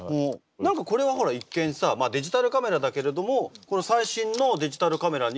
何かこれはほら一見さデジタルカメラだけれどもこれは最新のデジタルカメラに。